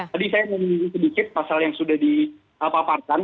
tadi saya mau menunjukkan sedikit pasal yang sudah dipaparkan